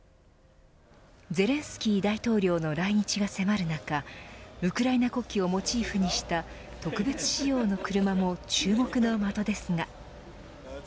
ゼレンスキー大統領の来日が迫る中ウクライナ国旗をモチーフにした特別仕様の車も注目の的ですが。